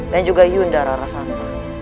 dan juga yunda rara sampai